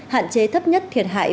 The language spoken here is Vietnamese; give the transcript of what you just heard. hạn chế thấp nhất thiệt hại